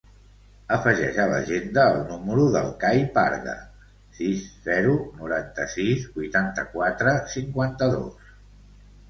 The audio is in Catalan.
Afegeix a l'agenda el número del Cai Parga: sis, zero, noranta-sis, vuitanta-quatre, cinquanta-dos.